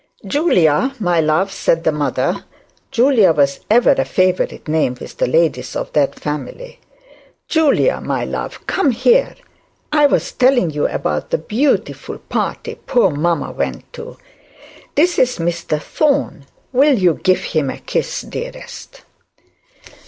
'Julia, my love,' said the mother, Julia was ever a favourite name with the ladies of the family, 'Julia, my love, come here. I was telling you about the beautiful party poor mamma went to. This is Mr Thorne; will you give him a kiss, dearest?'